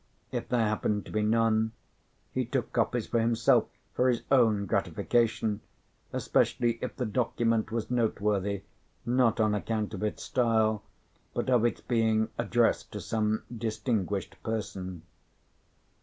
If there happened to be none, he took copies for himself, for his own gratification, especially if the document was noteworthy, not on account of its style, but of its being addressed to some distinguished person.